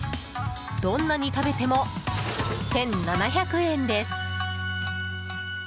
どんなに食べても１７００円です。